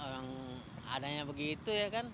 orang adanya begitu ya kan